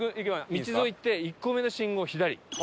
道沿い行って１個目の信号を左。